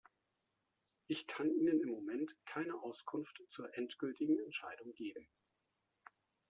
Ich kann Ihnen im Moment keine Auskunft zur endgültigen Entscheidung geben.